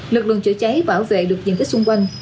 lực lượng chữa cháy bảo vệ được nhìn kích xung quanh